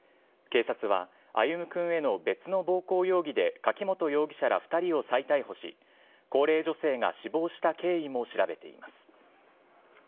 警察は歩夢くんへの別の暴行容疑で柿本容疑者ら２人を再逮捕し、高齢女性が死亡した経緯も調べています。